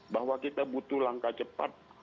bahwa kita butuh langkah cepat